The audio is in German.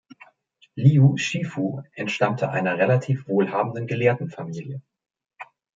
Liu Shifu entstammte einer relativ wohlhabenden Gelehrtenfamilie.